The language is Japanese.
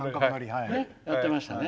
やってましたね。